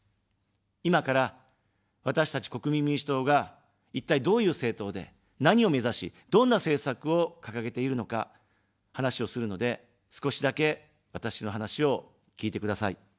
今から、私たち国民民主党が、一体、どういう政党で、何を目指し、どんな政策を掲げているのか話をするので、少しだけ、私の話を聞いてください。